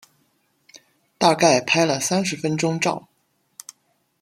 大概拍了三十分钟照